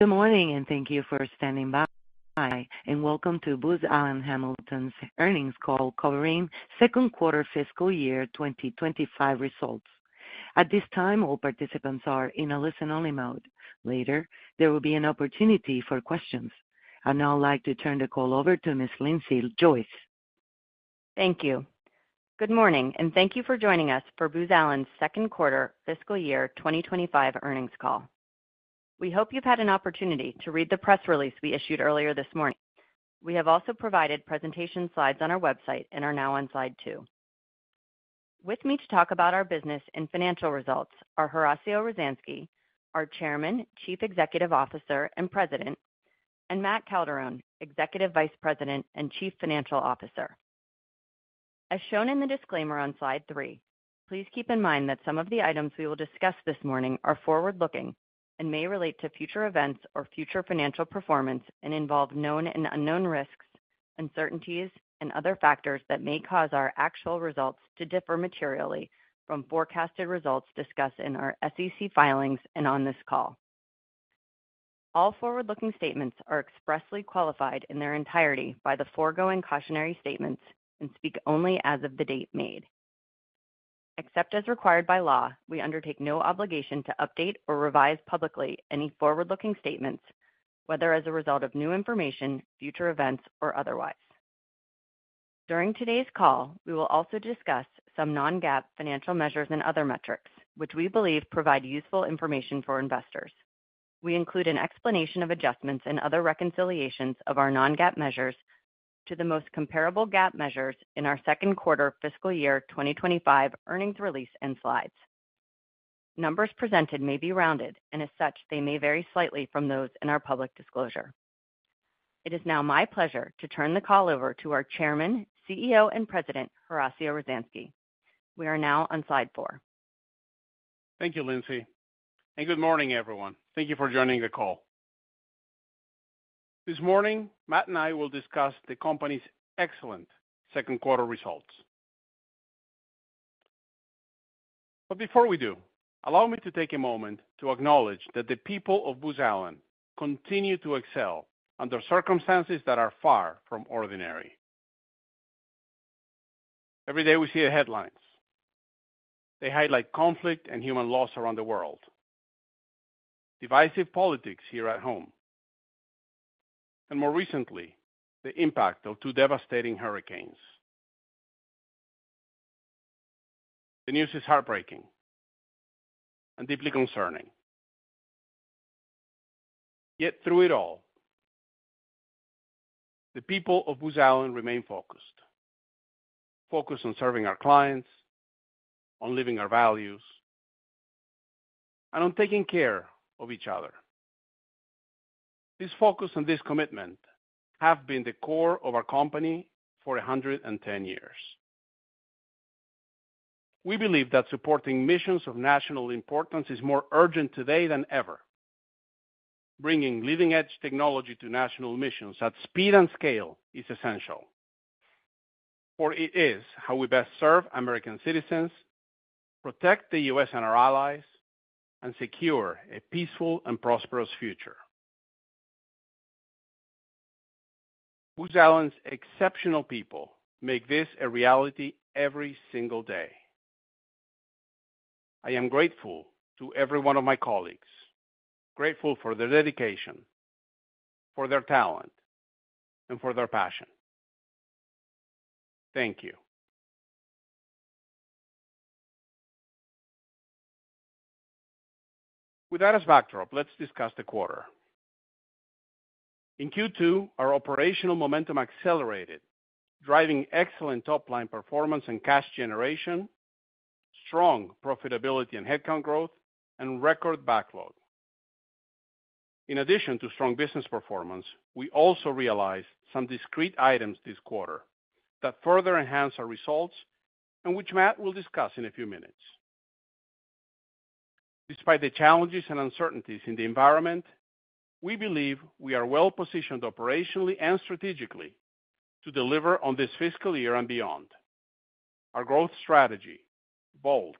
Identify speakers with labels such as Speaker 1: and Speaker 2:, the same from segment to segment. Speaker 1: Good morning, and thank you for standing by, and welcome to Booz Allen Hamilton's earnings call covering second quarter fiscal year 2025 results. At this time, all participants are in a listen-only mode. Later, there will be an opportunity for questions. I'd now like to turn the call over to Ms. Lindsay Joyce.
Speaker 2: Thank you. Good morning, and thank you for joining us for Booz Allen's second quarter fiscal year 2025 earnings call. We hope you've had an opportunity to read the press release we issued earlier this morning. We have also provided presentation slides on our website and are now on slide two. With me to talk about our business and financial results are Horacio Rozanski, our Chairman, Chief Executive Officer, and President, and Matt Calderone, Executive Vice President and Chief Financial Officer. As shown in the disclaimer on slide three, please keep in mind that some of the items we will discuss this morning are forward-looking and may relate to future events or future financial performance and involve known and unknown risks, uncertainties, and other factors that may cause our actual results to differ materially from forecasted results discussed in our SEC filings and on this call. All forward-looking statements are expressly qualified in their entirety by the foregoing cautionary statements and speak only as of the date made. Except as required by law, we undertake no obligation to update or revise publicly any forward-looking statements, whether as a result of new information, future events, or otherwise. During today's call, we will also discuss some non-GAAP financial measures and other metrics, which we believe provide useful information for investors. We include an explanation of adjustments and other reconciliations of our non-GAAP measures to the most comparable GAAP measures in our second quarter fiscal year 2025 earnings release and slides. Numbers presented may be rounded, and as such, they may vary slightly from those in our public disclosure. It is now my pleasure to turn the call over to our Chairman, CEO, and President, Horacio Rozanski. We are now on slide four.
Speaker 3: Thank you, Lindsay, and good morning, everyone. Thank you for joining the call. This morning, Matt and I will discuss the company's excellent second quarter results. But before we do, allow me to take a moment to acknowledge that the people of Booz Allen continue to excel under circumstances that are far from ordinary. Every day we see the headlines. They highlight conflict and human loss around the world, divisive politics here at home, and more recently, the impact of two devastating hurricanes. The news is heartbreaking and deeply concerning. Yet through it all, the people of Booz Allen remain focused. Focused on serving our clients, on living our values, and on taking care of each other. This focus and this commitment have been the core of our company for a hundred and ten years. We believe that supporting missions of national importance is more urgent today than ever. Bringing leading-edge technology to national missions at speed and scale is essential, for it is how we best serve American citizens, protect the U.S. and our allies, and secure a peaceful and prosperous future. Booz Allen's exceptional people make this a reality every single day. I am grateful to every one of my colleagues, grateful for their dedication, for their talent, and for their passion. Thank you. With that as backdrop, let's discuss the quarter. In Q2, our operational momentum accelerated, driving excellent top-line performance and cash generation, strong profitability and headcount growth, and record backlog. In addition to strong business performance, we also realized some discrete items this quarter that further enhance our results and which Matt will discuss in a few minutes. Despite the challenges and uncertainties in the environment, we believe we are well-positioned operationally and strategically to deliver on this fiscal year and beyond. Our growth strategy, VOLT,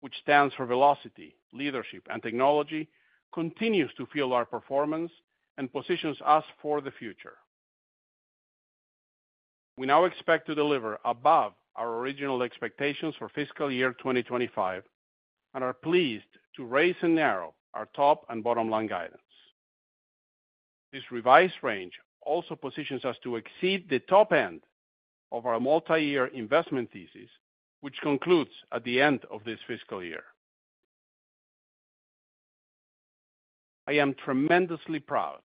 Speaker 3: which stands for velocity, leadership, and technology, continues to fuel our performance and positions us for the future. We now expect to deliver above our original expectations for fiscal year 2025 and are pleased to raise and narrow our top and bottom line guidance. This revised range also positions us to exceed the top end of our multi-year investment thesis, which concludes at the end of this fiscal year. I am tremendously proud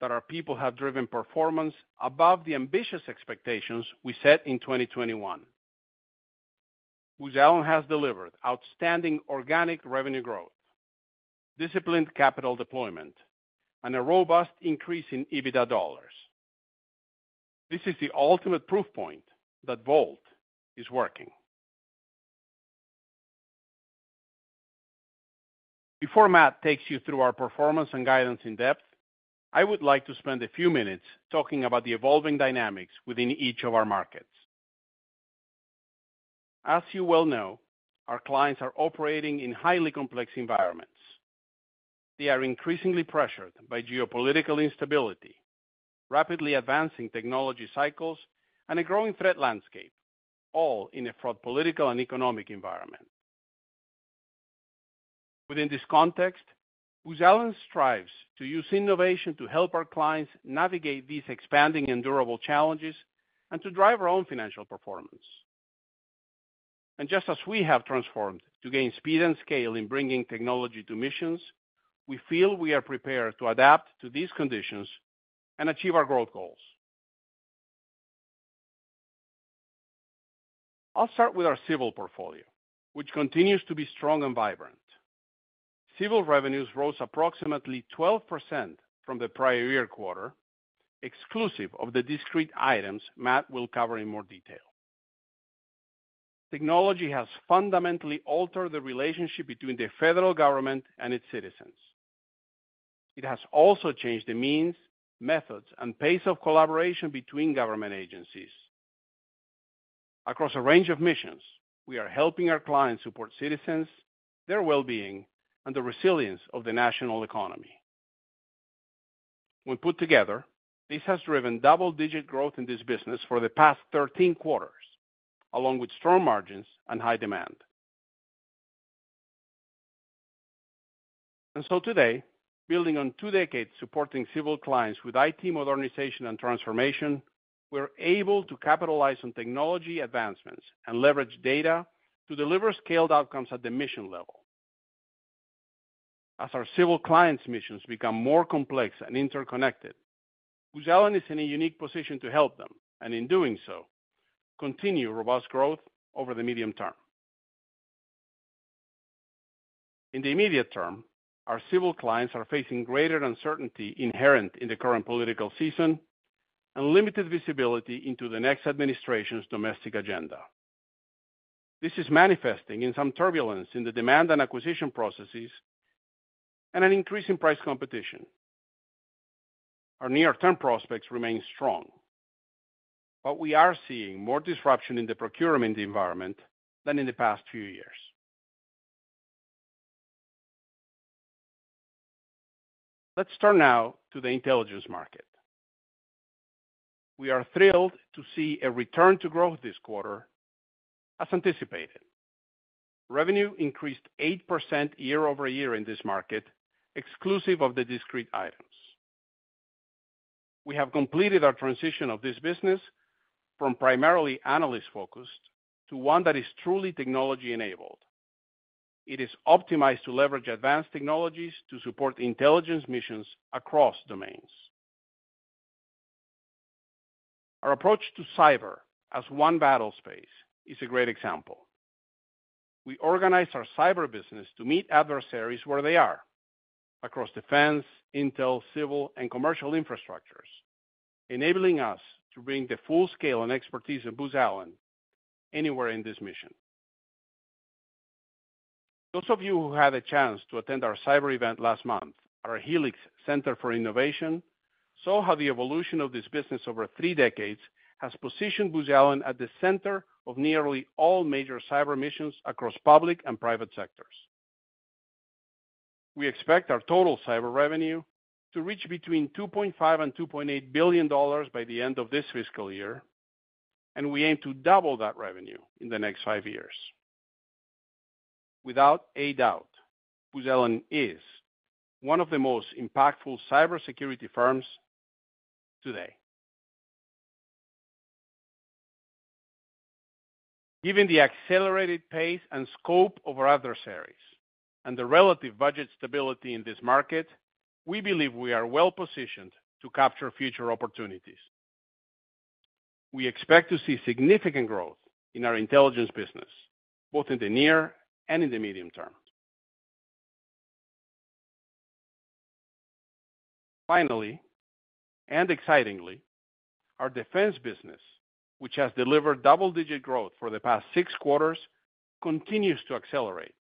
Speaker 3: that our people have driven performance above the ambitious expectations we set in 2021. Booz Allen has delivered outstanding organic revenue growth, disciplined capital deployment, and a robust increase in EBITDA dollars. This is the ultimate proof point that VOLT is working. Before Matt takes you through our performance and guidance in depth, I would like to spend a few minutes talking about the evolving dynamics within each of our markets. As you well know, our clients are operating in highly complex environments. They are increasingly pressured by geopolitical instability, rapidly advancing technology cycles, and a growing threat landscape, all in a fraught political and economic environment. Within this context, Booz Allen strives to use innovation to help our clients navigate these expanding and durable challenges and to drive our own financial performance. And just as we have transformed to gain speed and scale in bringing technology to missions, we feel we are prepared to adapt to these conditions and achieve our growth goals. I'll start with our civil portfolio, which continues to be strong and vibrant. Civil revenues rose approximately 12% from the prior year quarter, exclusive of the discrete items Matt will cover in more detail. Technology has fundamentally altered the relationship between the federal government and its citizens. It has also changed the means, methods, and pace of collaboration between government agencies. Across a range of missions, we are helping our clients support citizens, their well-being, and the resilience of the national economy. When put together, this has driven double-digit growth in this business for the past 13 quarters, along with strong margins and high demand, and so today, building on 2 decades supporting civil clients with IT modernization and transformation, we're able to capitalize on technology advancements and leverage data to deliver scaled outcomes at the mission level. As our civil clients' missions become more complex and interconnected, Booz Allen is in a unique position to help them, and in doing so, continue robust growth over the medium term. In the immediate term, our civil clients are facing greater uncertainty inherent in the current political season and limited visibility into the next administration's domestic agenda. This is manifesting in some turbulence in the demand and acquisition processes and an increase in price competition. Our near-term prospects remain strong, but we are seeing more disruption in the procurement environment than in the past few years. Let's turn now to the intelligence market. We are thrilled to see a return to growth this quarter, as anticipated. Revenue increased 8% year-over-year in this market, exclusive of the discrete items. We have completed our transition of this business from primarily analyst-focused to one that is truly technology-enabled. It is optimized to leverage advanced technologies to support intelligence missions across domains. Our approach to cyber as one battlespace is a great example. We organized our cyber business to meet adversaries where they are, across defense, intel, civil, and commercial infrastructures, enabling us to bring the full scale and expertise of Booz Allen anywhere in this mission. Those of you who had a chance to attend our cyber event last month, our Helix Center for Innovation, saw how the evolution of this business over three decades has positioned Booz Allen at the center of nearly all major cyber missions across public and private sectors. We expect our total cyber revenue to reach between $2.5 and 2.8 billion by the end of this fiscal year, and we aim to double that revenue in the next five years. Without a doubt, Booz Allen is one of the most impactful cybersecurity firms today. Given the accelerated pace and scope of our adversaries and the relative budget stability in this market, we believe we are well positioned to capture future opportunities. We expect to see significant growth in our intelligence business, both in the near and in the medium term. Finally, and excitingly, our defense business, which has delivered double-digit growth for the past six quarters, continues to accelerate,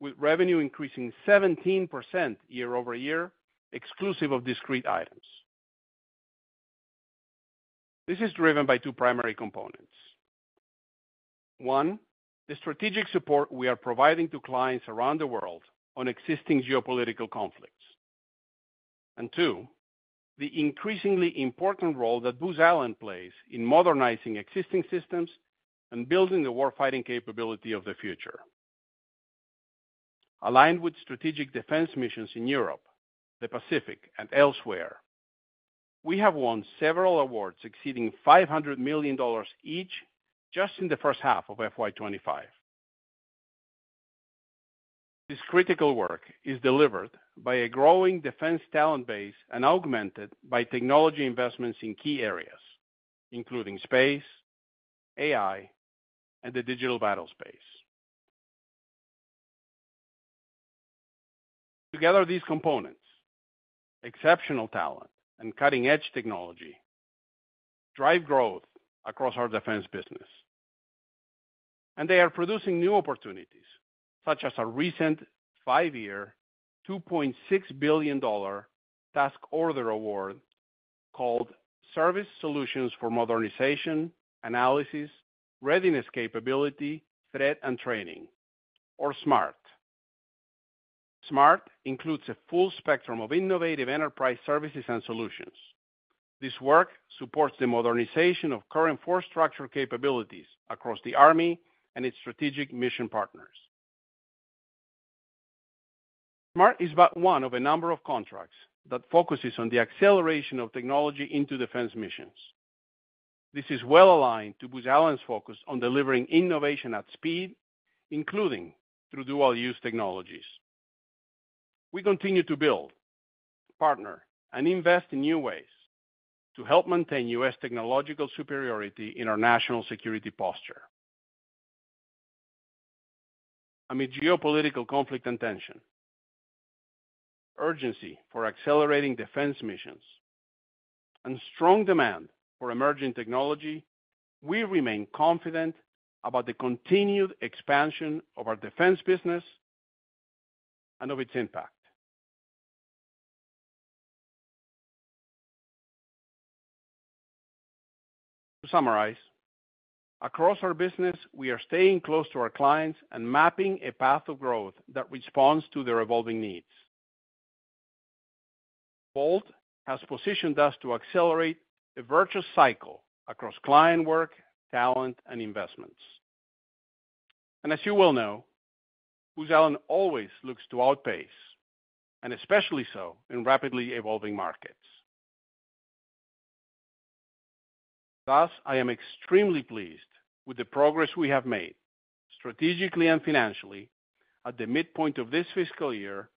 Speaker 3: with revenue increasing 17% year-over-year, exclusive of discrete items. This is driven by two primary components. One, the strategic support we are providing to clients around the world on existing geopolitical conflicts. And two, the increasingly important role that Booz Allen plays in modernizing existing systems and building the warfighting capability of the future. Aligned with strategic defense missions in Europe, the Pacific, and elsewhere, we have won several awards exceeding $500 million each just in the first half of FY 2025. This critical work is delivered by a growing defense talent base and augmented by technology investments in key areas, including space, AI, and the digital battlespace. Together, these components, exceptional talent and cutting-edge technology, drive growth across our defense business, and they are producing new opportunities, such as a recent five-year, $2.6 billion task order award called Service Solutions for Modernization, Analysis, Readiness Capability, Threat, and Training, or SMART. SMART includes a full spectrum of innovative enterprise services and solutions. This work supports the modernization of current force structure capabilities across the Army and its strategic mission partners. SMART is but one of a number of contracts that focuses on the acceleration of technology into defense missions. This is well aligned to Booz Allen's focus on delivering innovation at speed, including through dual-use technologies. We continue to build, partner, and invest in new ways to help maintain U.S. technological superiority in our national security posture. Amid geopolitical conflict and tension, urgency for accelerating defense missions, and strong demand for emerging technology, we remain confident about the continued expansion of our defense business and of its impact. To summarize, across our business, we are staying close to our clients and mapping a path of growth that responds to their evolving needs. VOLT has positioned us to accelerate a virtuous cycle across client work, talent, and investments, and as you well know, Booz Allen always looks to outpace, and especially so in rapidly evolving markets. Thus, I am extremely pleased with the progress we have made strategically and financially at the midpoint of this fiscal year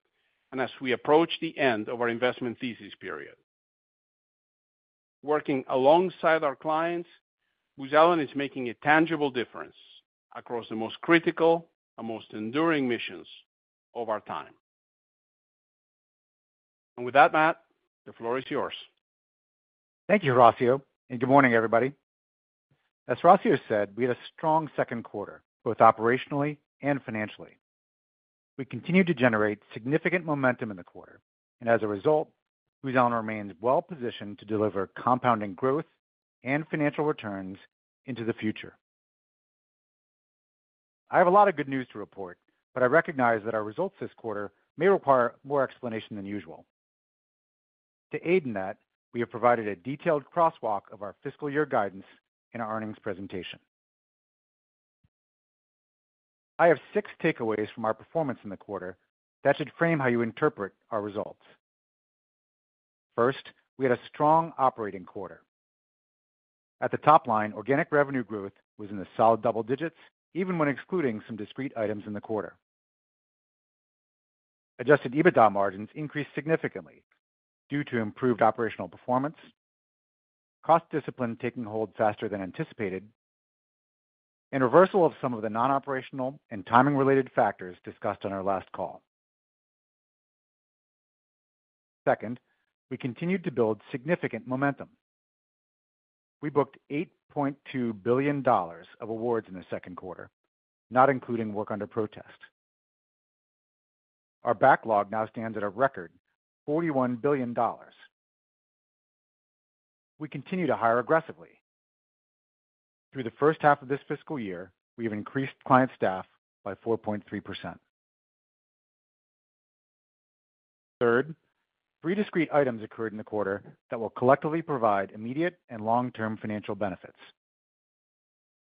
Speaker 3: and as we approach the end of our investment thesis period. Working alongside our clients, Booz Allen is making a tangible difference across the most critical and most enduring missions of our time, and with that, Matt, the floor is yours.
Speaker 4: Thank you, Horacio, and good morning, everybody. As Horacio said, we had a strong second quarter, both operationally and financially. We continued to generate significant momentum in the quarter, and as a result, Booz Allen remains well positioned to deliver compounding growth and financial returns into the future. I have a lot of good news to report, but I recognize that our results this quarter may require more explanation than usual. To aid in that, we have provided a detailed crosswalk of our fiscal year guidance in our earnings presentation. I have six takeaways from our performance in the quarter that should frame how you interpret our results. First, we had a strong operating quarter. At the top line, organic revenue growth was in the solid double digits, even when excluding some discrete items in the quarter. Adjusted EBITDA margins increased significantly due to improved operational performance, cost discipline taking hold faster than anticipated, and reversal of some of the non-operational and timing-related factors discussed on our last call. Second, we continued to build significant momentum. We booked $8.2 billion of awards in the second quarter, not including work under protest. Our backlog now stands at a record $41 billion. We continue to hire aggressively. Through the first half of this fiscal year, we have increased client staff by 4.3%. Third, three discrete items occurred in the quarter that will collectively provide immediate and long-term financial benefits.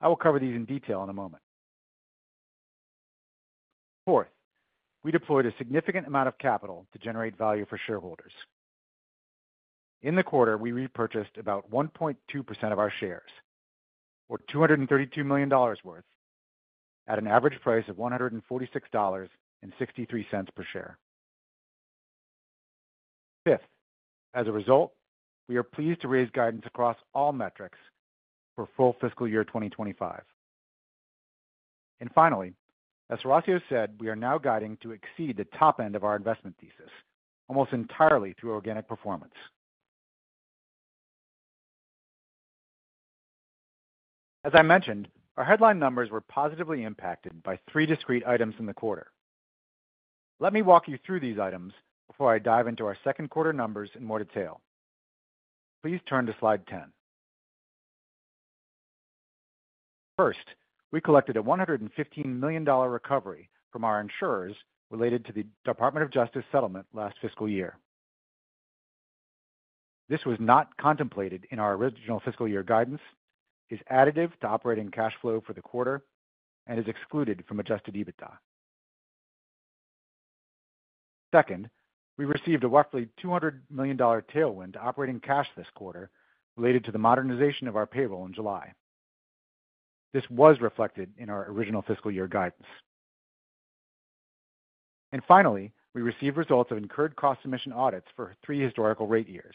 Speaker 4: I will cover these in detail in a moment. Fourth, we deployed a significant amount of capital to generate value for shareholders. In the quarter, we repurchased about 1.2% of our shares, or $232 million worth, at an average price of $146.63 per share. Fifth, as a result, we are pleased to raise guidance across all metrics for full fiscal year 2025, and finally, as Horacio said, we are now guiding to exceed the top end of our investment thesis, almost entirely through organic performance. As I mentioned, our headline numbers were positively impacted by three discrete items in the quarter. Let me walk you through these items before I dive into our second quarter numbers in more detail. Please turn to slide 10. First, we collected a $115 million recovery from our insurers related to the Department of Justice settlement last fiscal year. This was not contemplated in our original fiscal year guidance, is additive to operating cash flow for the quarter, and is excluded from Adjusted EBITDA. Second, we received a roughly $200 million tailwind to operating cash this quarter related to the modernization of our payroll in July. This was reflected in our original fiscal year guidance. And finally, we received results of incurred cost submission audits for three historical rate years.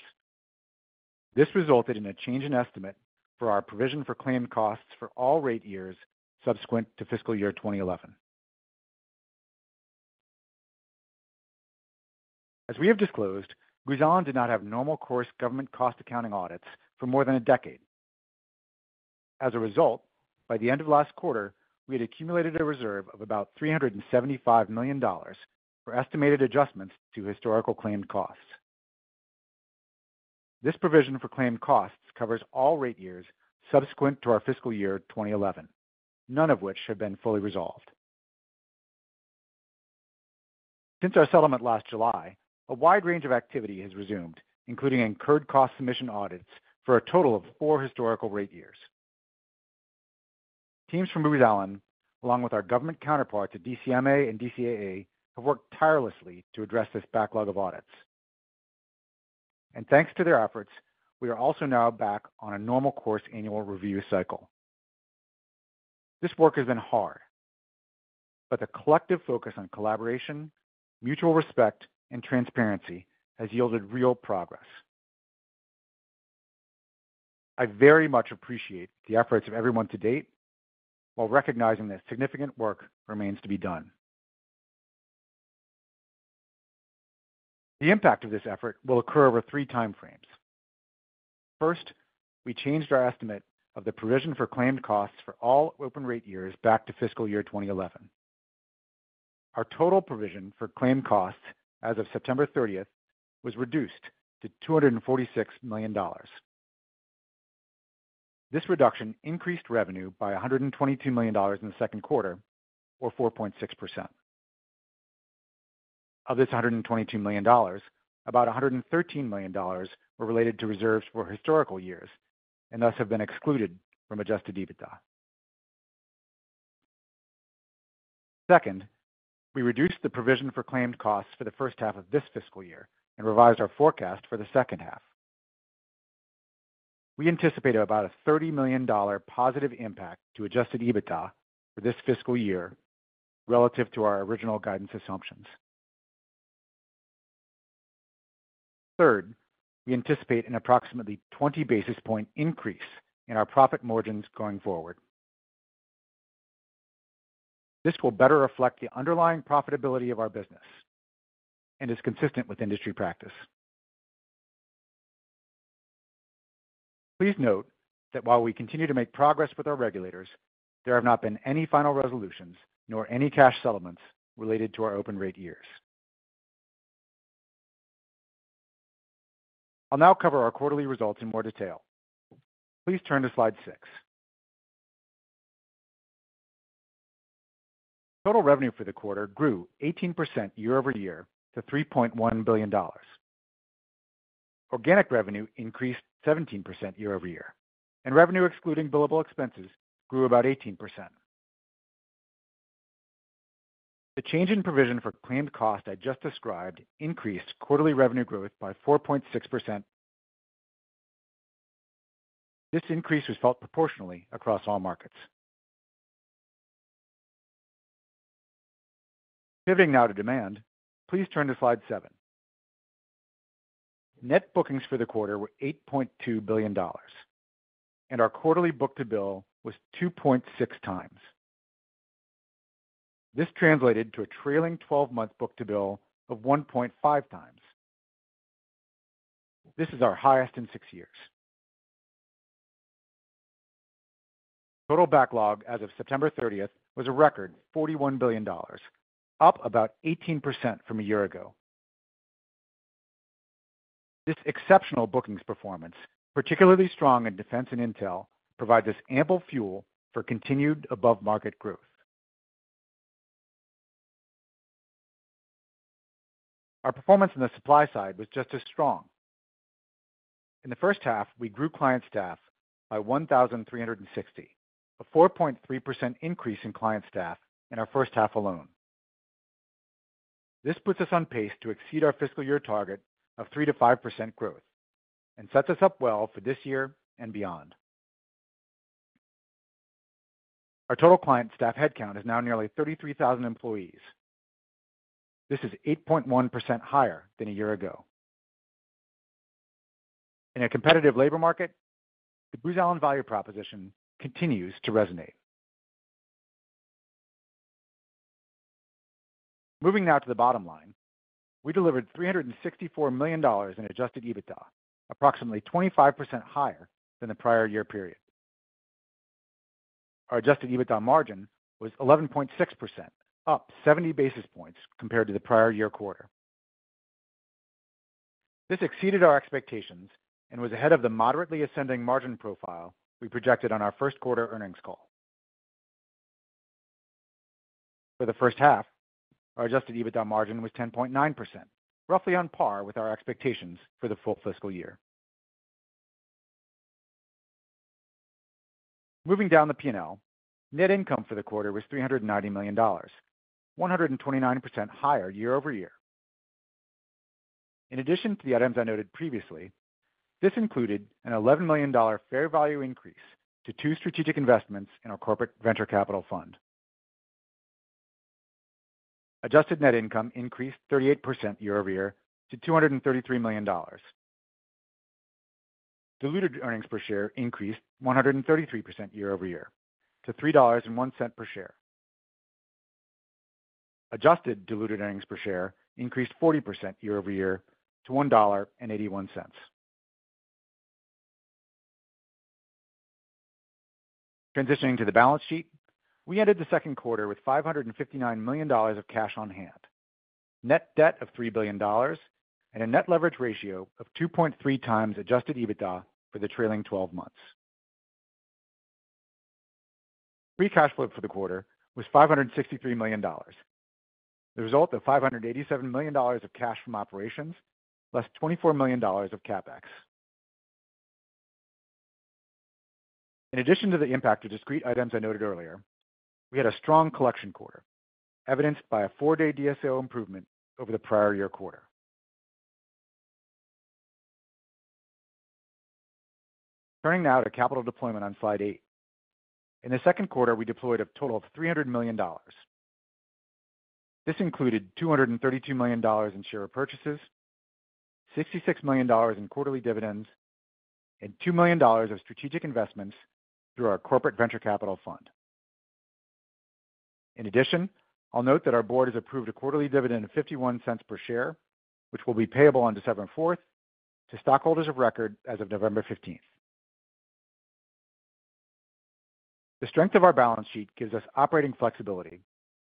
Speaker 4: This resulted in a change in estimate for our provision for claimed costs for all rate years subsequent to fiscal year 2011. As we have disclosed, Booz Allen did not have normal course government cost accounting audits for more than a decade. As a result, by the end of last quarter, we had accumulated a reserve of about $375 million for estimated adjustments to historical claimed costs. This provision for claimed costs covers all rate years subsequent to our fiscal year 2011, none of which have been fully resolved. Since our settlement last July, a wide range of activity has resumed, including incurred cost submission audits for a total of four historical rate years. Teams from Booz Allen, along with our government counterparts at DCMA and DCAA, have worked tirelessly to address this backlog of audits, and thanks to their efforts, we are also now back on a normal course annual review cycle. This work has been hard, but the collective focus on collaboration, mutual respect, and transparency has yielded real progress. I very much appreciate the efforts of everyone to date, while recognizing that significant work remains to be done. The impact of this effort will occur over three time frames. First, we changed our estimate of the provision for claimed costs for all open rate years back to fiscal year 2011. Our total provision for claimed costs as of September thirtieth was reduced to $246 million. This reduction increased revenue by $122 million in the second quarter, or 4.6%. Of this $122 million, about $113 million were related to reserves for historical years and thus have been excluded from Adjusted EBITDA. Second, we reduced the provision for claimed costs for the first half of this fiscal year and revised our forecast for the second half. We anticipate about a $30 million positive impact to Adjusted EBITDA for this fiscal year relative to our original guidance assumptions. Third, we anticipate an approximately 20 basis point increase in our profit margins going forward. This will better reflect the underlying profitability of our business and is consistent with industry practice. Please note that while we continue to make progress with our regulators, there have not been any final resolutions nor any cash settlements related to our open rate years. I'll now cover our quarterly results in more detail. Please turn to slide six. Total revenue for the quarter grew 18% year-over-year to $3.1 billion. Organic revenue increased 17% year-over-year, and revenue excluding billable expenses grew about 18%. The change in provision for claimed costs I just described increased quarterly revenue growth by 4.6%. This increase was felt proportionally across all markets. Pivoting now to demand, please turn to slide seven. Net bookings for the quarter were $8.2 billion, and our quarterly book-to-bill was 2.6 times. This translated to a trailing twelve-month book-to-bill of 1.5x. This is our highest in six years. Total backlog as of September 30th was a record $41 billion, up about 18% from a year ago. This exceptional bookings performance, particularly strong in defense and intel, provides us ample fuel for continued above-market growth. Our performance in the supply side was just as strong. In the first half, we grew client staff by 1,360, a 4.3% increase in client staff in our first half alone. This puts us on pace to exceed our fiscal year target of 3-5% growth and sets us up well for this year and beyond. Our total client staff headcount is now nearly 33,000 employees. This is 8.1% higher than a year ago. In a competitive labor market, the Booz Allen value proposition continues to resonate. Moving now to the bottom line, we delivered $364 million in adjusted EBITDA, approximately 25% higher than the prior year period. Our adjusted EBITDA margin was 11.6%, up 70 basis points compared to the prior year quarter. This exceeded our expectations and was ahead of the moderately ascending margin profile we projected on our first quarter earnings call. For the first half, our adjusted EBITDA margin was 10.9%, roughly on par with our expectations for the full fiscal year. Moving down the P&L, net income for the quarter was $390 million, 129% higher year-over-year. In addition to the items I noted previously, this included an $11 million fair value increase to two strategic investments in our corporate venture capital fund. Adjusted net income increased 38% year-over-year to $233 million. Diluted earnings per share increased 133% year-over-year to $3.01 per share. Adjusted diluted earnings per share increased 40% year-over-year to $1.81. Transitioning to the balance sheet, we ended the second quarter with $559 million of cash on hand, net debt of $3 billion, and a net leverage ratio of 2.3x adjusted EBITDA for the trailing 12 months. Free cash flow for the quarter was $563 million, the result of $587 million of cash from operations, less $24 million of CapEx. In addition to the impact of discrete items I noted earlier, we had a strong collection quarter, evidenced by a 4-day DSO improvement over the prior year quarter. Turning now to capital deployment on slide eight. In the second quarter, we deployed a total of $300 million. This included $232 million in share purchases, $66 million in quarterly dividends, and $2 million of strategic investments through our corporate venture capital fund. In addition, I'll note that our board has approved a quarterly dividend of $0.51 per share, which will be payable on December fourth, to stockholders of record as of November fifteenth. The strength of our balance sheet gives us operating flexibility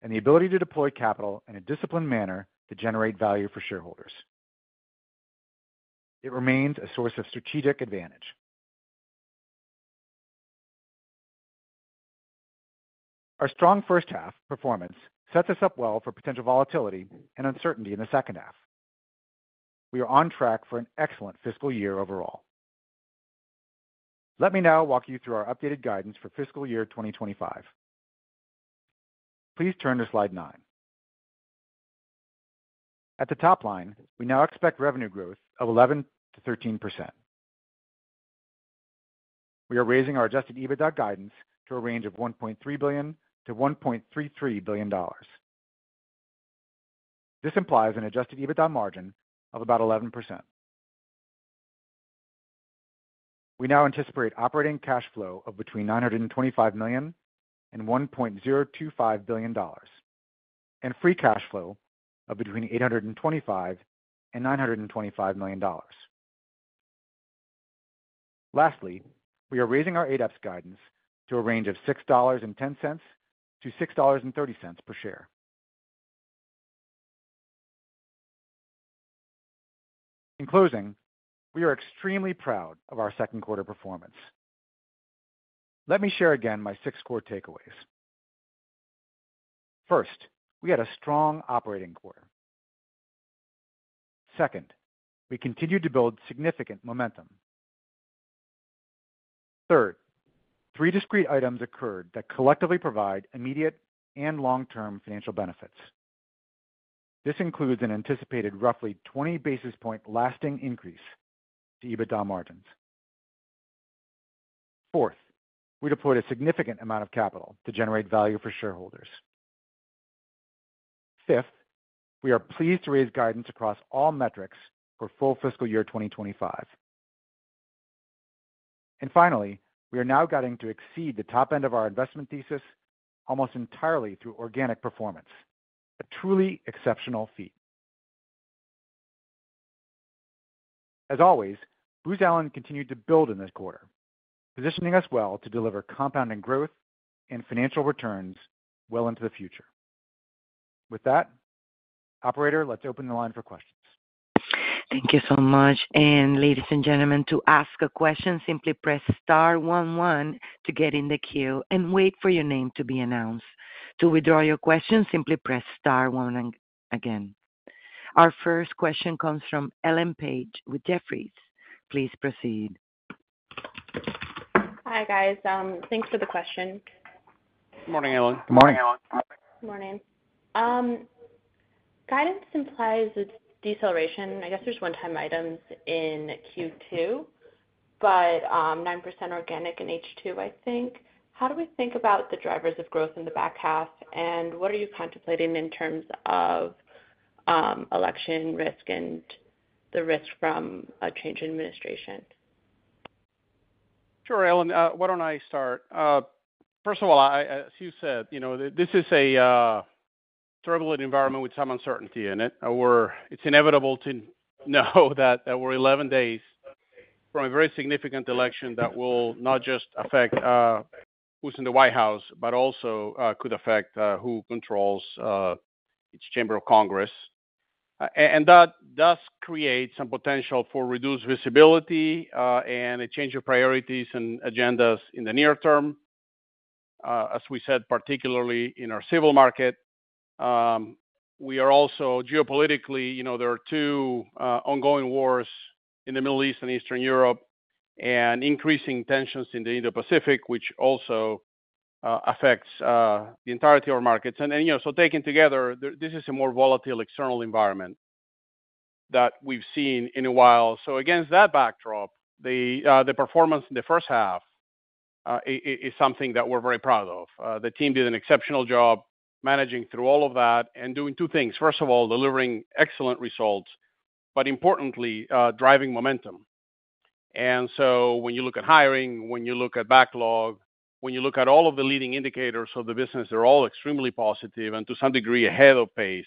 Speaker 4: and the ability to deploy capital in a disciplined manner to generate value for shareholders. It remains a source of strategic advantage. Our strong first half performance sets us up well for potential volatility and uncertainty in the second half. We are on track for an excellent fiscal year overall. Let me now walk you through our updated guidance for fiscal year 2025. Please turn to slide nine. At the top line, we now expect revenue growth of 11-13%. We are raising our adjusted EBITDA guidance to a range of $1.3-1.33 billion. This implies an adjusted EBITDA margin of about 11%. We now anticipate operating cash flow of between $925 million and $1.025 billion, and free cash flow of between $825 and 925 million. Lastly, we are raising our ADEPS guidance to a range of $6.10-$6.30 per share. In closing, we are extremely proud of our second quarter performance. Let me share again my six core takeaways. First, we had a strong operating quarter. Second, we continued to build significant momentum. Third, three discrete items occurred that collectively provide immediate and long-term financial benefits. This includes an anticipated roughly 20 basis points lasting increase to EBITDA margins. Fourth, we deployed a significant amount of capital to generate value for shareholders. Fifth, we are pleased to raise guidance across all metrics for full fiscal year 2025. And finally, we are now guiding to exceed the top end of our investment thesis almost entirely through organic performance, a truly exceptional feat. As always, Booz Allen continued to build in this quarter, positioning us well to deliver compounding growth and financial returns well into the future. With that, operator, let's open the line for questions.
Speaker 1: Thank you so much. And ladies and gentlemen, to ask a question, simply press star one, one, to get in the queue and wait for your name to be announced. To withdraw your question, simply press star one again. Our first question comes from Ellen Page with Jefferies. Please proceed.
Speaker 5: Hi, guys. Thanks for the question.
Speaker 4: Good morning, Ellen.
Speaker 3: Good morning, Ellen.
Speaker 5: Morning. Guidance implies it's deceleration. I guess there's one-time items in Q2, but, 9% organic in H2, I think. How do we think about the drivers of growth in the back half, and what are you contemplating in terms of, election risk and the risk from a change in administration?
Speaker 4: Sure, Ellen, why don't I start? First of all, I, as you said, you know, this is a turbulent environment with some uncertainty in it. It's inevitable to know that we're 11 days from a very significant election that will not just affect who's in the White House, but also could affect who controls each chamber of Congress, and that does create some potential for reduced visibility and a change of priorities and agendas in the near term, as we said, particularly in our civil market. We are also geopolitically, you know, there are two ongoing wars in the Middle East and Eastern Europe, and increasing tensions in the Indo-Pacific, which also affects the entirety of our markets. You know, so taken together, this is a more volatile external environment that we've seen in a while. So against that backdrop, the performance in the first half is something that we're very proud of. The team did an exceptional job managing through all of that and doing two things. First of all, delivering excellent results, but importantly, driving momentum.
Speaker 3: And so when you look at hiring, when you look at backlog, when you look at all of the leading indicators of the business, they're all extremely positive and to some degree, ahead of pace.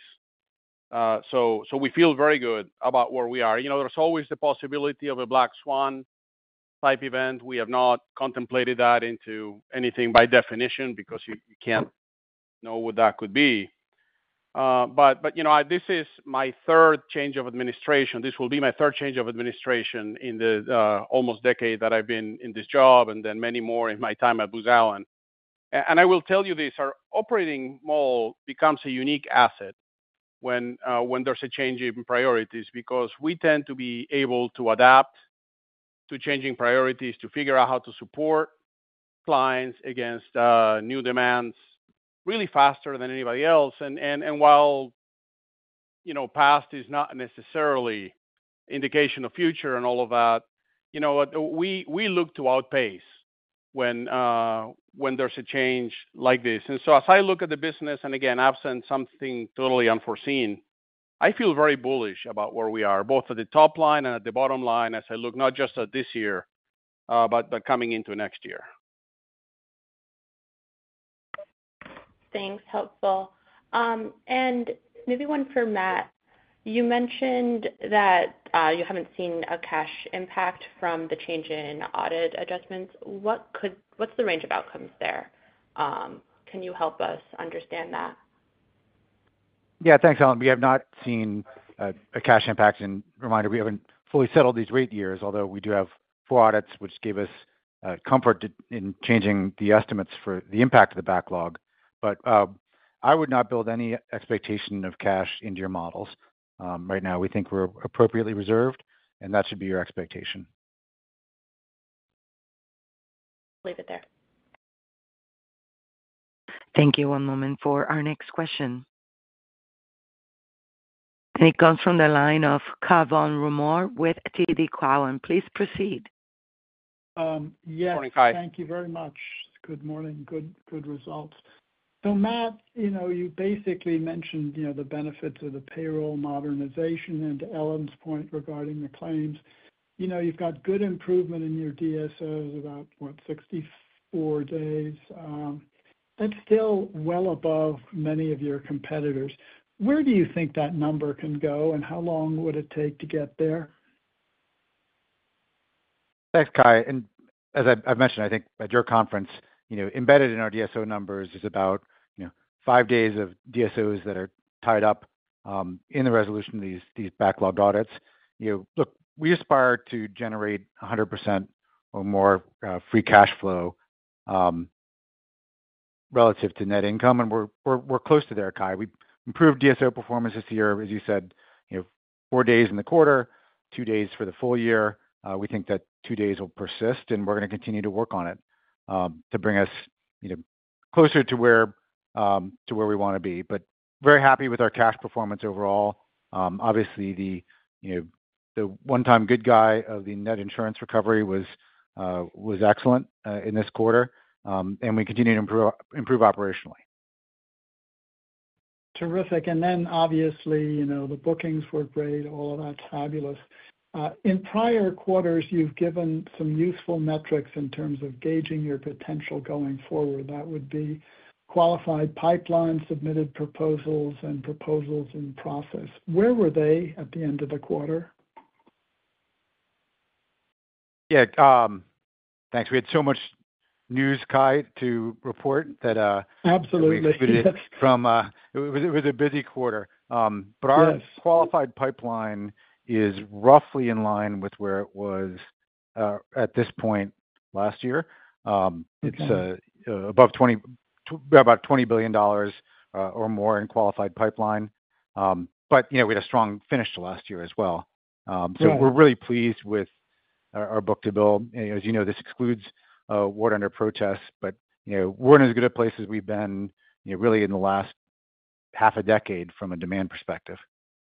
Speaker 3: So we feel very good about where we are. You know, there's always the possibility of a black swan type event. We have not contemplated that into anything by definition, because you can't know what that could be. But you know, this is my third change of administration. This will be my third change of administration in the almost decade that I've been in this job, and then many more in my time at Booz Allen. And I will tell you this, our operating model becomes a unique asset when there's a change in priorities, because we tend to be able to adapt to changing priorities, to figure out how to support clients against new demands, really faster than anybody else. And while, you know, past is not necessarily indication of future and all of that, you know what? We look to outpace when there's a change like this. And so as I look at the business, and again, absent something totally unforeseen, I feel very bullish about where we are, both at the top line and at the bottom line, as I look, not just at this year, but coming into next year.
Speaker 5: Thanks. Helpful. And maybe one for Matt. You mentioned that you haven't seen a cash impact from the change in audit adjustments. What's the range of outcomes there? Can you help us understand that?
Speaker 4: Yeah. Thanks, Ellen. We have not seen a cash impact, and reminder, we haven't fully settled these rate years, although we do have full audits, which give us comfort in changing the estimates for the impact of the backlog, but I would not build any expectation of cash into your models. Right now, we think we're appropriately reserved, and that should be your expectation.
Speaker 5: Leave it there.
Speaker 1: Thank you. One moment for our next question. And it comes from the line of Cai von Rumohr with TD Cowen. Please proceed.
Speaker 6: Um, yes.
Speaker 4: Morning, Cai.
Speaker 6: Thank you very much. Good morning. Good, good results. So Matt, you know, you basically mentioned, you know, the benefits of the payroll modernization and to Ellen's point regarding the claims. You know, you've got good improvement in your DSOs, about, what, sixty-four days? That's still well above many of your competitors. Where do you think that number can go, and how long would it take to get there?
Speaker 4: Thanks, Cai. And as I've mentioned, I think, at your conference, you know, embedded in our DSO numbers is about, you know, five days of DSOs that are tied up in the resolution of these backlogged audits. You know, look, we aspire to generate 100% or more free cash flow relative to net income, and we're close to there, Cai. We've improved DSO performance this year, as you said, you know, four days in the quarter, two days for the full year. We think that two days will persist, and we're going to continue to work on it to bring us, you know, closer to where we wanna be. But very happy with our cash performance overall. Obviously, you know, the one-time gain from the net insurance recovery was excellent in this quarter, and we continue to improve operationally.
Speaker 6: Terrific. And then obviously, you know, the bookings were great. All of that's fabulous. In prior quarters, you've given some useful metrics in terms of gauging your potential going forward. That would be qualified pipeline, submitted proposals and proposals in process. Where were they at the end of the quarter?
Speaker 4: Yeah, thanks. We had so much news, Cai, to report that,
Speaker 6: Absolutely.
Speaker 4: We executed from. It was a busy quarter.
Speaker 6: Yes.
Speaker 4: But our qualified pipeline is roughly in line with where it was at this point last year.
Speaker 6: Okay.
Speaker 4: It's about $20 billion or more in qualified pipeline, but you know, we had a strong finish to last year as well, so we're really pleased with our book-to-bill. As you know, this excludes award under protest, but you know, we're in as good a place as we've been, you know, really in the last half a decade from a demand perspective.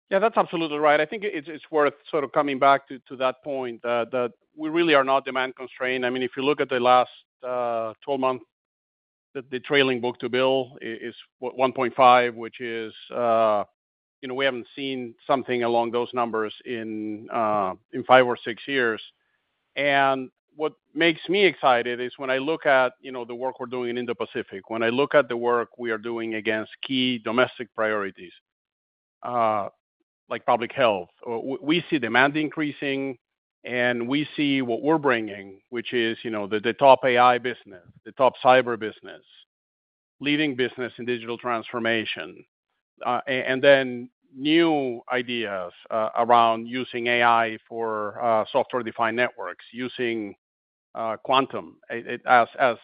Speaker 3: Yeah, that's absolutely right. I think it's worth sort of coming back to that point that we really are not demand constrained. I mean, if you look at the last 12 months, the trailing book-to-bill is, what, 1.5, which is, you know, we haven't seen something along those numbers in five or six years. And what makes me excited is when I look at, you know, the work we're doing in the Pacific, when I look at the work we are doing against key domestic priorities, like public health, we see demand increasing, and we see what we're bringing, which is, you know, the top AI business, the top cyber business, leading business in digital transformation, and then new ideas around using AI for software-defined networks, using quantum. As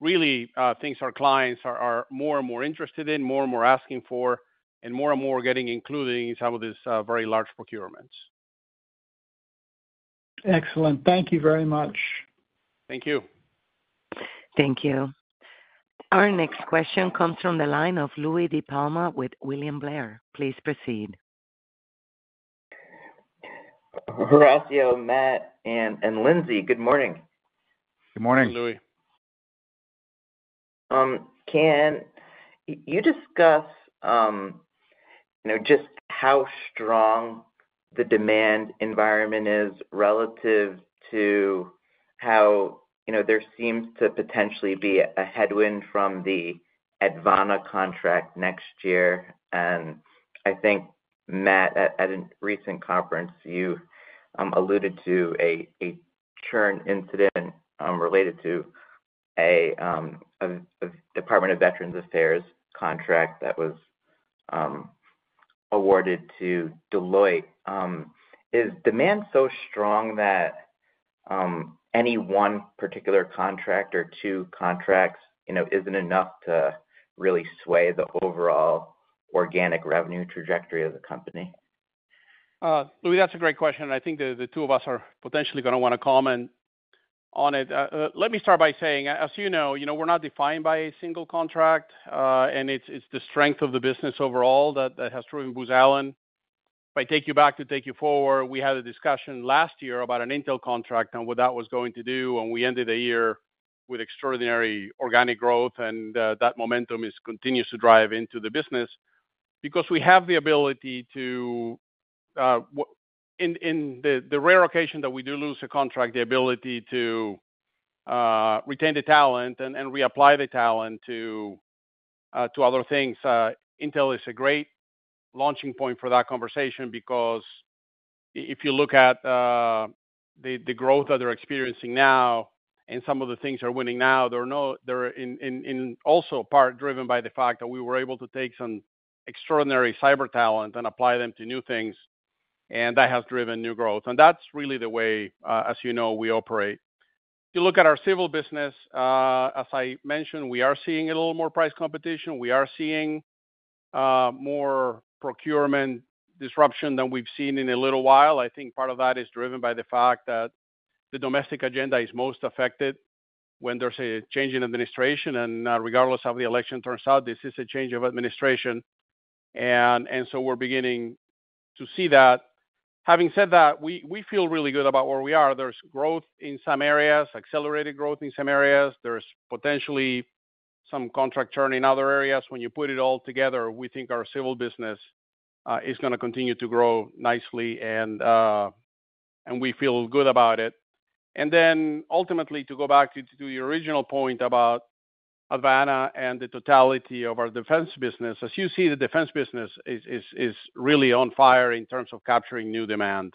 Speaker 3: really, things our clients are more and more interested in, more and more asking for, and more and more getting included in some of these very large procurements.
Speaker 6: Excellent. Thank you very much.
Speaker 3: Thank you.
Speaker 1: Thank you. Our next question comes from the line of Louie DiPalma with William Blair. Please proceed.
Speaker 5: Horacio, Matt and Lindsay, good morning.
Speaker 4: Good morning. Louie.
Speaker 7: Can you discuss, you know, just how strong the demand environment is relative to how, you know, there seems to potentially be a headwind from the Advana contract next year? And I think, Matt, at a recent conference, you alluded to a churn incident related to a Department of Veterans Affairs contract that was awarded to Deloitte. Is demand so strong that any one particular contract or two contracts, you know, isn't enough to really sway the overall organic revenue trajectory of the company?
Speaker 3: Louie, that's a great question, and I think the two of us are potentially gonna wanna comment on it. Let me start by saying, as you know, you know, we're not defined by a single contract, and it's the strength of the business overall that has driven Booz Allen. If I take you back to take you forward, we had a discussion last year about an Intel contract and what that was going to do, and we ended the year with extraordinary organic growth, and that momentum continues to drive into the business. Because we have the ability to, in the rare occasion that we do lose a contract, the ability to retain the talent and reapply the talent to other things. Intel is a great launching point for that conversation because if you look at the growth that they're experiencing now and some of the things they're winning now, they're also part driven by the fact that we were able to take some extraordinary cyber talent and apply them to new things, and that has driven new growth. And that's really the way, as you know, we operate. If you look at our civil business, as I mentioned, we are seeing a little more price competition. We are seeing more procurement disruption than we've seen in a little while. I think part of that is driven by the fact that the domestic agenda is most affected when there's a change in administration, and regardless of the election turns out, this is a change of administration. So we're beginning to see that. Having said that, we feel really good about where we are. There's growth in some areas, accelerated growth in some areas. There's potentially some contract churn in other areas. When you put it all together, we think our civil business is gonna continue to grow nicely, and we feel good about it. Then ultimately, to go back to your original point about Advana and the totality of our defense business, as you see, the defense business is really on fire in terms of capturing new demand.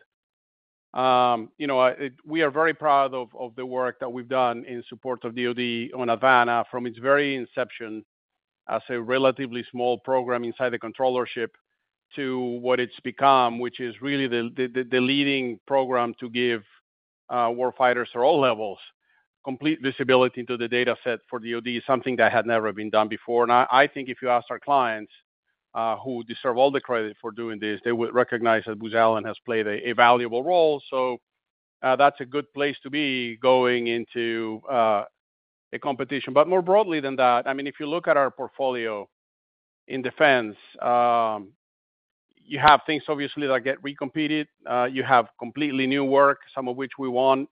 Speaker 3: You know, we are very proud of the work that we've done in support of DoD on Advana from its very inception as a relatively small program inside the controllership to what it's become, which is really the leading program to give warfighters at all levels complete visibility into the data set for DoD, something that had never been done before, and I think if you ask our clients, who deserve all the credit for doing this, they would recognize that Booz Allen has played a valuable role, so that's a good place to be going into a competition, but more broadly than that, I mean, if you look at our portfolio in defense, you have things obviously that get recompeted. You have completely new work, some of which we won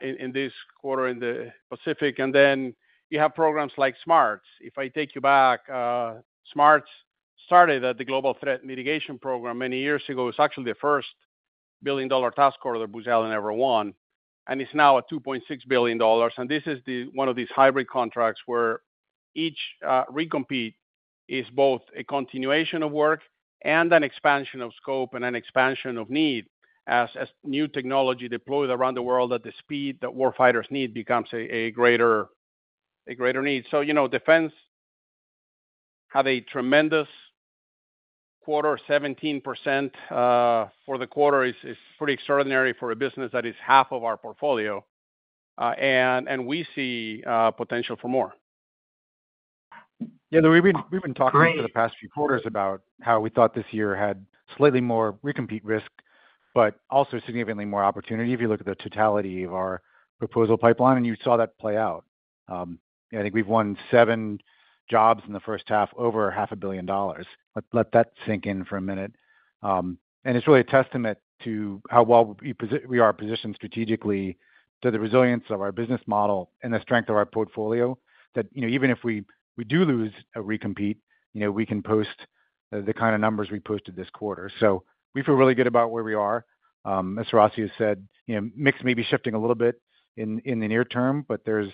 Speaker 3: in this quarter in the Pacific. And then you have programs like SMART. If I take you back, SMART started at the Global Threat Mitigation Program many years ago. It's actually the first billion-dollar task order Booz Allen ever won, and it's now at $2.6 billion. And this is one of these hybrid contracts where each recompete is both a continuation of work and an expansion of scope and an expansion of need, as new technology deployed around the world at the speed that warfighters need becomes a greater need. So, you know, defense had a tremendous quarter. 17% for the quarter is pretty extraordinary for a business that is half of our portfolio, and we see potential for more.
Speaker 4: Yeah, Louie, we've been talking for the past few quarters about how we thought this year had slightly more recompete risk, but also significantly more opportunity if you look at the totality of our proposal pipeline, and you saw that play out. I think we've won seven jobs in the first half, over $500 million. Let that sink in for a minute, and it's really a testament to how well we are positioned strategically to the resilience of our business model and the strength of our portfolio, that you know, even if we do lose a recompete, you know, we can post the kind of numbers we posted this quarter. So we feel really good about where we are. As Horacio said, you know, mix may be shifting a little bit in the near term, but there's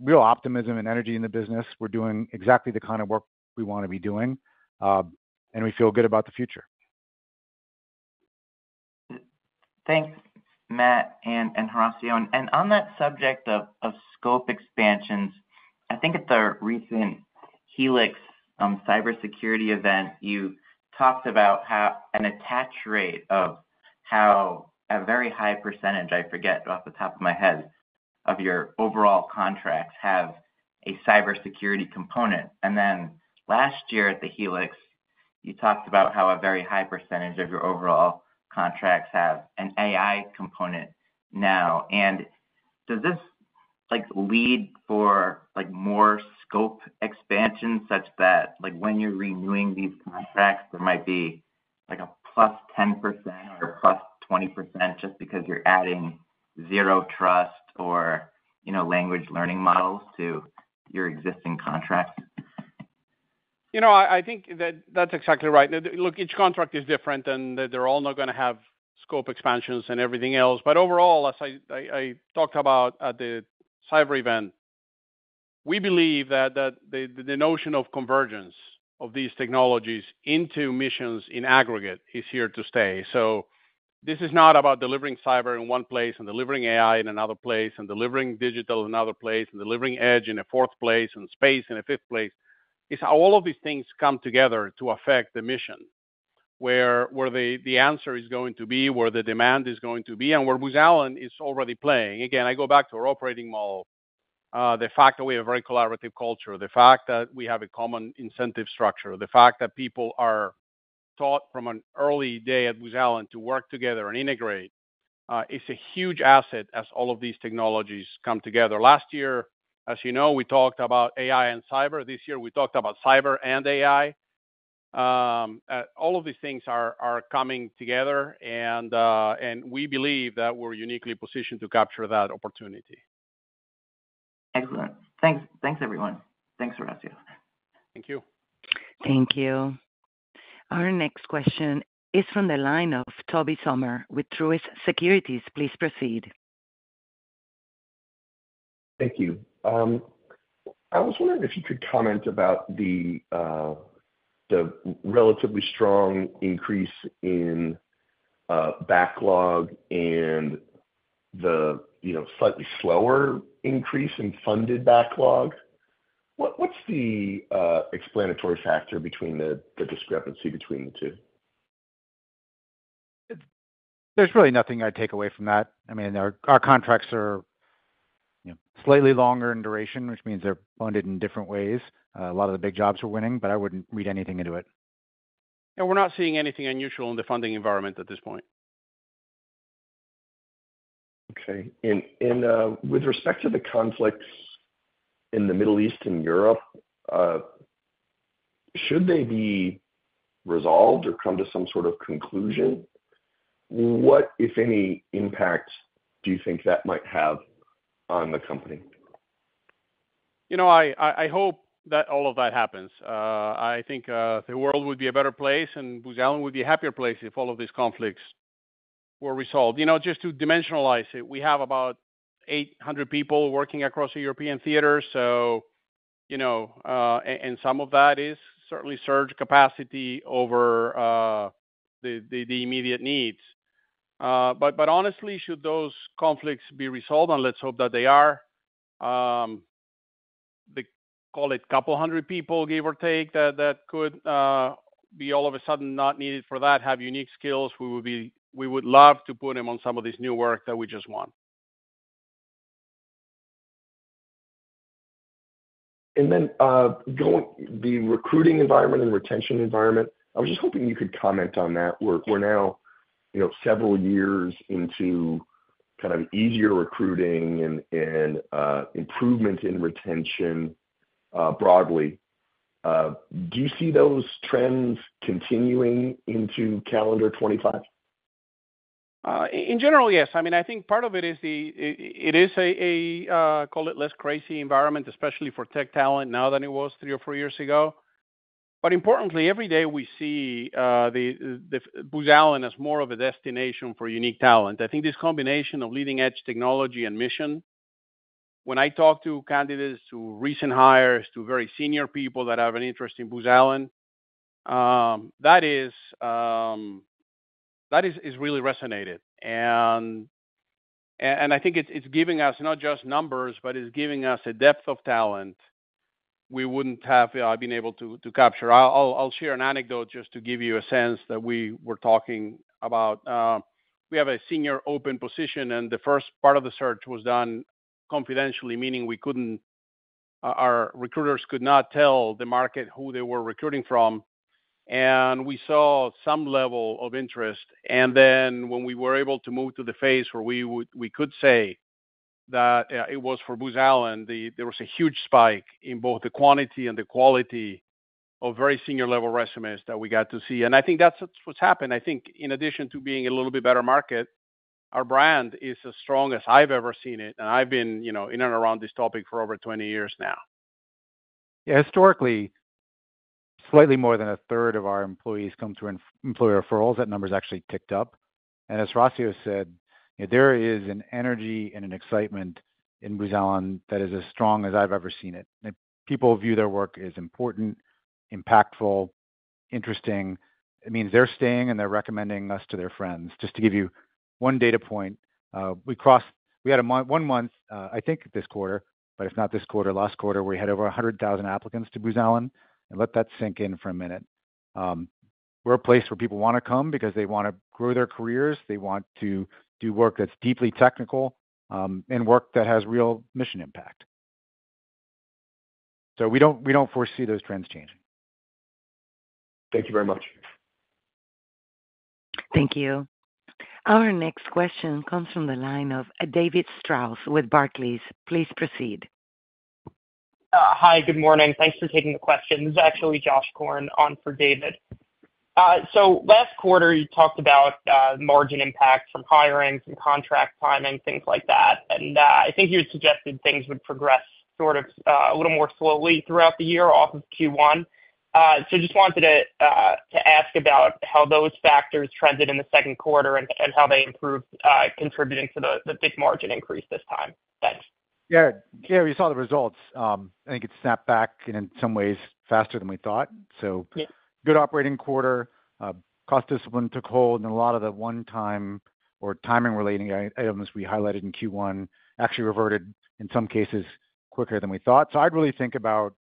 Speaker 4: real optimism and energy in the business. We're doing exactly the kind of work we wanna be doing, and we feel good about the future.
Speaker 7: Thanks, Matt and Horacio. On that subject of scope expansions, I think at the recent Helix cybersecurity event, you talked about how an attach rate of how a very high percentage, I forget off the top of my head, of your overall contracts have a cybersecurity component. Then last year at the Helix, you talked about how a very high percentage of your overall contracts have an AI component now. And does this like lead for like more scope expansion, such that like when you are renewing these contracts, there might be like a +10% or +20% just because you are adding zero trust or you know language learning models to your existing contract?
Speaker 3: You know, I think that that's exactly right. Now, look, each contract is different and they're all not gonna have scope expansions and everything else. But overall, as I talked about at the cyber event, we believe that the notion of convergence of these technologies into missions in aggregate is here to stay. So this is not about delivering cyber in one place and delivering AI in another place, and delivering digital in another place, and delivering edge in a fourth place, and space in a fifth place. It's how all of these things come together to affect the mission, where the answer is going to be, where the demand is going to be, and where Booz Allen is already playing. Again, I go back to our operating model, the fact that we have a very collaborative culture, the fact that we have a common incentive structure, the fact that people are taught from an early day at Booz Allen to work together and integrate, is a huge asset as all of these technologies come together. Last year, as you know, we talked about AI and cyber. This year, we talked about cyber and AI. All of these things are coming together and we believe that we're uniquely positioned to capture that opportunity.
Speaker 7: Excellent. Thanks. Thanks, everyone. Thanks, Rocío.
Speaker 3: Thank you.
Speaker 1: Thank you. Our next question is from the line of Toby Sommer with Truist Securities. Please proceed.
Speaker 8: Thank you. I was wondering if you could comment about the relatively strong increase in backlog and the, you know, slightly slower increase in funded backlog. What is the explanatory factor between the discrepancy between the two?
Speaker 4: There's really nothing I'd take away from that. I mean, our contracts are, you know, slightly longer in duration, which means they're funded in different ways. A lot of the big jobs we're winning, but I wouldn't read anything into it.
Speaker 3: We're not seeing anything unusual in the funding environment at this point.
Speaker 8: Okay. And with respect to the conflicts in the Middle East and Europe, should they be resolved or come to some sort of conclusion, what, if any, impact do you think that might have on the company?
Speaker 3: You know, I hope that all of that happens. I think the world would be a better place, and Booz Allen would be a happier place if all of these conflicts were resolved. You know, just to dimensionalize it, we have about 800 people working across the European theater, so, you know, and some of that is certainly surge capacity over the immediate needs. But honestly, should those conflicts be resolved, and let's hope that they are, they call it a couple hundred people, give or take, that could be all of a sudden not needed for that, have unique skills, we would love to put them on some of this new work that we just won.
Speaker 8: And then, going to the recruiting environment and retention environment, I was just hoping you could comment on that. We're now, you know, several years into kind of easier recruiting and improvement in retention, broadly. Do you see those trends continuing into calendar 2025?
Speaker 3: In general, yes. I mean, I think part of it is the it is a less crazy environment, especially for tech talent, now than it was three or four years ago. But importantly, every day we see the Booz Allen as more of a destination for unique talent. I think this combination of leading-edge technology and mission, when I talk to candidates, to recent hires, to very senior people that have an interest in Booz Allen, that is really resonated. And I think it's giving us not just numbers, but it's giving us a depth of talent we wouldn't have been able to capture. I'll share an anecdote just to give you a sense that we were talking about. We have a senior open position, and the first part of the search was done confidentially, meaning we couldn't, our recruiters could not tell the market who they were recruiting from, and we saw some level of interest, and then when we were able to move to the phase where we could say that it was for Booz Allen, there was a huge spike in both the quantity and the quality of very senior level resumes that we got to see, and I think that's what's happened, I think in addition to being a little bit better market, our brand is as strong as I've ever seen it, and I've been, you know, in and around this topic for over twenty years now.
Speaker 4: Historically, slightly more than a third of our employees come through internal employee referrals. That number's actually ticked up, and as horacio said, there is an energy and an excitement in Booz Allen that is as strong as I've ever seen it. People view their work as important, impactful, interesting. It means they're staying, and they're recommending us to their friends. Just to give you one data point, we had one month, I think this quarter, but if not this quarter, last quarter, where we had over 100,000 applicants to Booz Allen, and let that sink in for a minute. We're a place where people wanna come because they wanna grow their careers, they want to do work that's deeply technical, and work that has real mission impact. We don't foresee those trends changing.
Speaker 8: Thank you very much.
Speaker 1: Thank you. Our next question comes from the line of David Strauss with Barclays. Please proceed.
Speaker 9: Hi, good morning. Thanks for taking the questions. Actually, Josh Korn on for David. So last quarter, you talked about margin impact from hiring, from contract timing, things like that. And I think you suggested things would progress sort of a little more slowly throughout the year off of Q1. So just wanted to ask about how those factors trended in the second quarter and how they improved contributing to the big margin increase this time. Thanks.
Speaker 3: Yeah. Yeah, we saw the results. I think it snapped back in some ways faster than we thought.
Speaker 9: Yeah.
Speaker 3: So good operating quarter, cost discipline took hold, and a lot of the one-time or timing relating items we highlighted in Q1 actually reverted, in some cases, quicker than we thought. I'd really think about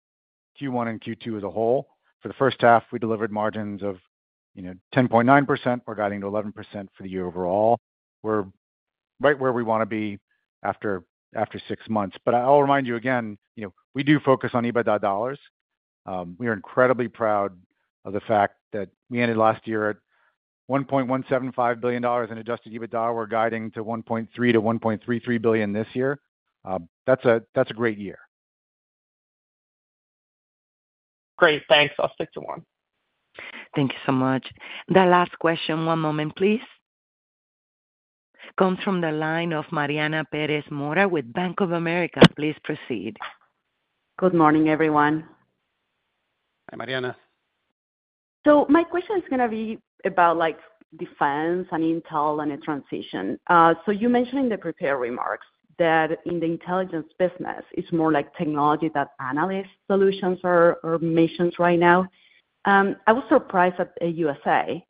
Speaker 3: Q1 and Q2 as a whole. For the first half, we delivered margins of, you know, 10.9%. We're guiding to 11% for the year overall. We're right where we wanna be after six months. But I'll remind you again, you know, we do focus on EBITDA dollars. We are incredibly proud of the fact that we ended last year at $1.175 billion in adjusted EBITDA. We're guiding to $1.3-$1.33 billion this year. That's a great year.
Speaker 9: Great, thanks. I'll stick to one.
Speaker 1: Thank you so much. The last question. One moment, please. Comes from the line of Mariana Perez Mora with Bank of America. Please proceed.
Speaker 10: Good morning, everyone.
Speaker 3: Hi, Mariana.
Speaker 10: So my question is gonna be about like, defense and intel and a transition. So you mentioned in the prepared remarks that in the intelligence business, it's more like technology than analyst solutions or missions right now. I was surprised at AUSA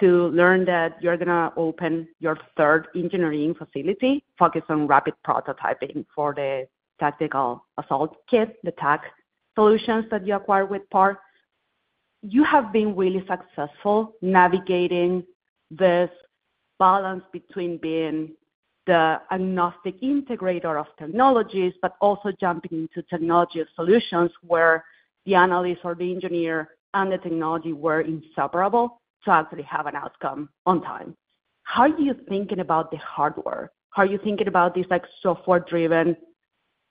Speaker 10: to learn that you're gonna open your third engineering facility focused on rapid prototyping for the Tactical Assault Kit, the TAK solutions that you acquired with PAR. You have been really successful navigating this balance between being the agnostic integrator of technologies, but also jumping into technology solutions where the analyst or the engineer and the technology were inseparable to actually have an outcome on time. How are you thinking about the hardware? How are you thinking about this, like, software-driven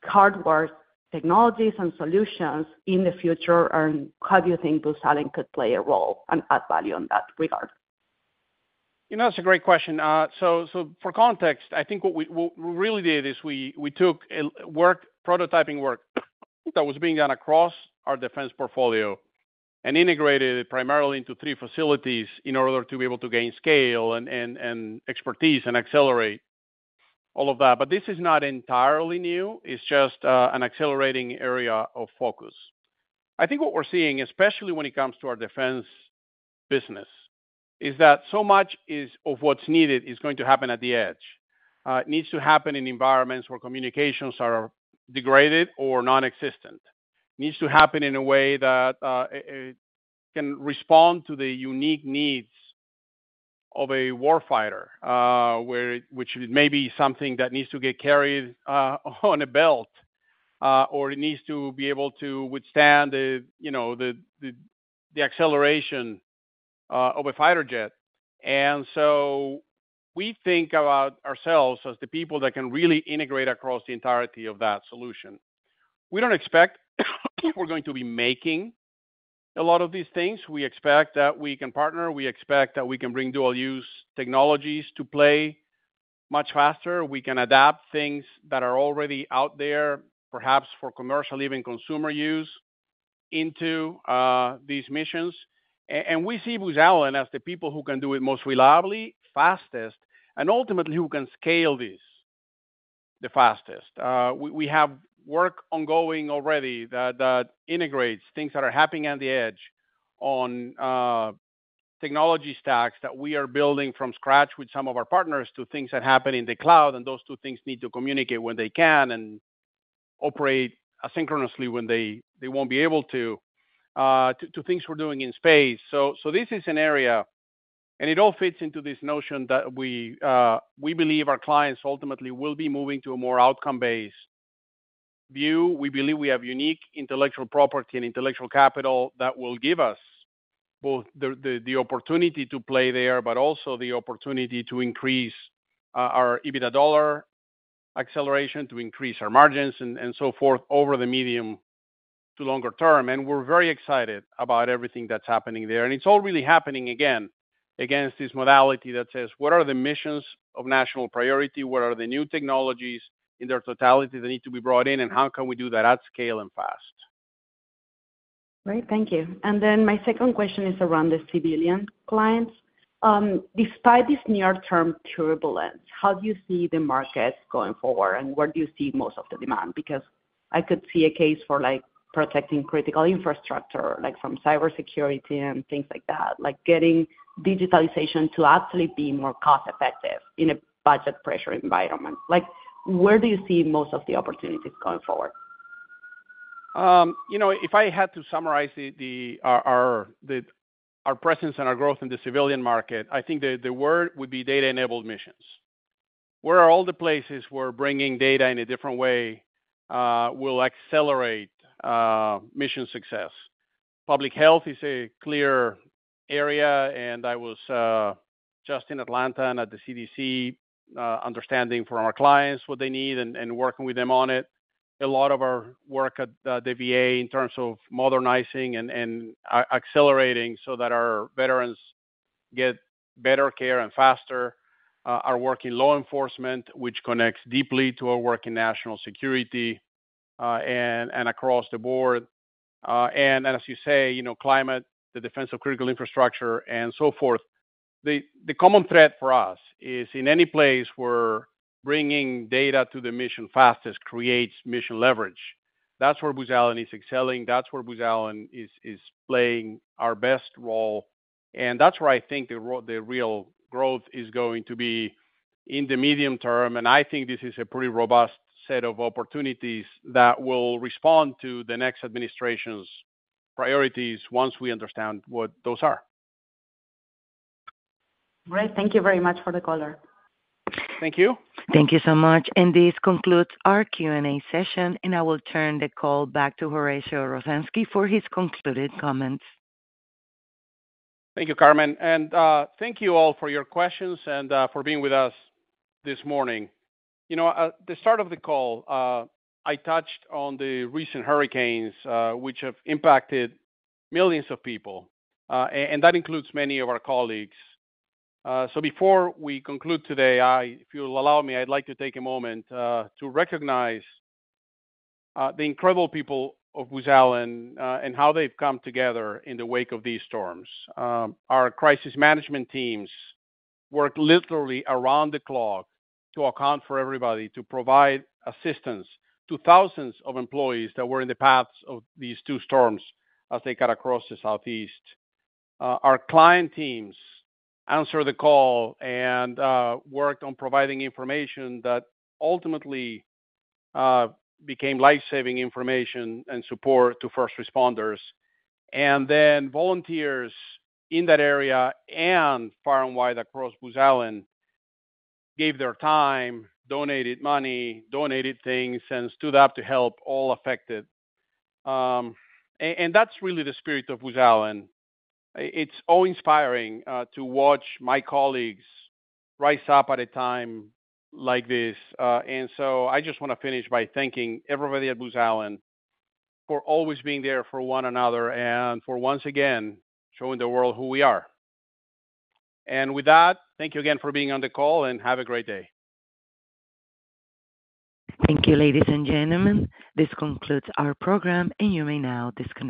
Speaker 10: hardware technologies and solutions in the future? And how do you think Booz Allen could play a role and add value in that regard?
Speaker 3: You know, that's a great question. So, for context, I think what we really did is we took a rapid-prototyping work that was being done across our defense portfolio and integrated it primarily into three facilities in order to be able to gain scale and expertise and accelerate all of that. But this is not entirely new. It's just, an accelerating area of focus. I think what we're seeing, especially when it comes to our defense business, is that so much of what's needed is going to happen at the edge. It needs to happen in environments where communications are degraded or non-existent. Needs to happen in a way that it can respond to the unique needs of a warfighter, where it may be something that needs to get carried on a belt, or it needs to be able to withstand the, you know, the acceleration of a fighter jet. And so we think about ourselves as the people that can really integrate across the entirety of that solution. We don't expect we're going to be making a lot of these things. We expect that we can partner. We expect that we can bring dual-use technologies to play much faster. We can adapt things that are already out there, perhaps for commercial, even consumer use, into these missions. And we see Booz Allen as the people who can do it most reliably, fastest, and ultimately, who can scale this the fastest. We have work ongoing already that integrates things that are happening on the edge on technology stacks that we are building from scratch with some of our partners, to things that happen in the cloud, and those two things need to communicate when they can and operate asynchronously when they won't be able to, to things we're doing in space. So this is an area, and it all fits into this notion that we believe our clients ultimately will be moving to a more outcome-based view. We believe we have unique intellectual property and intellectual capital that will give us both the opportunity to play there, but also the opportunity to increase our EBITDA dollar acceleration, to increase our margins and so forth over the medium to longer term. We're very excited about everything that's happening there. It's all really happening again, against this modality that says: What are the missions of national priority? What are the new technologies in their totality that need to be brought in, and how can we do that at scale and fast?
Speaker 10: Great, thank you. And then my second question is around the civilian clients. Despite this near-term turbulence, how do you see the market going forward, and where do you see most of the demand? Because I could see a case for, like, protecting critical infrastructure, like from cybersecurity and things like that, like getting digitalization to actually be more cost-effective in a budget pressure environment. Like, where do you see most of the opportunities going forward?
Speaker 3: You know, if I had to summarize our presence and our growth in the civilian market, I think the word would be data-enabled missions. Where are all the places we're bringing data in a different way will accelerate mission success? Public health is a clear area, and I was just in Atlanta and at the CDC, understanding from our clients what they need and working with them on it. A lot of our work at the VA in terms of modernizing and accelerating so that our veterans get better care and faster, our work in law enforcement, which connects deeply to our work in national security, and across the board, and as you say, you know, climate, the defense of critical infrastructure, and so forth. The common thread for us is in any place where bringing data to the mission fastest creates mission leverage. That's where Booz Allen is excelling, that's where Booz Allen is playing our best role, and that's where I think the real growth is going to be in the medium term, and I think this is a pretty robust set of opportunities that will respond to the next administration's priorities once we understand what those are.
Speaker 10: Great. Thank you very much for the color.
Speaker 3: Thank you.
Speaker 1: Thank you so much, and this concludes our Q&A session, and I will turn the call back to Horacio Rozanski for his concluding comments.
Speaker 3: Thank you, Carmen, and thank you all for your questions and for being with us this morning. You know, at the start of the call, I touched on the recent hurricanes, which have impacted millions of people, and that includes many of our colleagues. So before we conclude today, if you'll allow me, I'd like to take a moment to recognize the incredible people of Booz Allen and how they've come together in the wake of these storms. Our crisis management teams worked literally around the clock to account for everybody, to provide assistance to thousands of employees that were in the paths of these two storms as they cut across the Southeast. Our client teams answered the call and worked on providing information that ultimately became life-saving information and support to first responders. And then volunteers in that area and far and wide across Booz Allen gave their time, donated money, donated things, and stood up to help all affected. And that's really the spirit of Booz Allen. It's awe-inspiring to watch my colleagues rise up at a time like this. And so I just wanna finish by thanking everybody at Booz Allen for always being there for one another and for once again, showing the world who we are. And with that, thank you again for being on the call, and have a great day.
Speaker 1: Thank you, ladies and gentlemen. This concludes our program, and you may now disconnect.